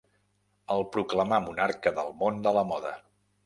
El proclamà monarca del món de la moda.